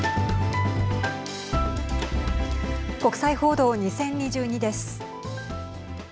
国際報道２０２２です。